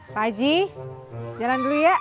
pak haji jalan dulu ya